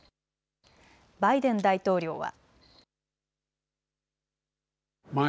バイデン大統領は。